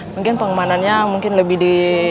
mungkin pengamanannya mungkin lebih di